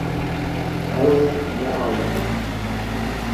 Ew ê nealiqe.